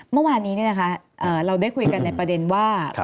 เมื่อวานี้เนี่ยนะคะเราได้คุยกันในประเด็นว่า